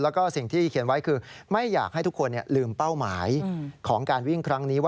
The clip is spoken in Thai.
แล้วก็สิ่งที่เขียนไว้คือไม่อยากให้ทุกคนลืมเป้าหมายของการวิ่งครั้งนี้